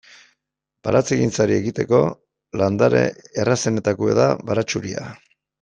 Baratzegintzari ekiteko landare errazenetakoa da baratxuria.